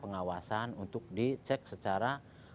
pengawasan untuk di cek secara